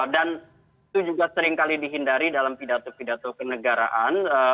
dan itu juga seringkali dihindari dalam pidato pidato kenegaraan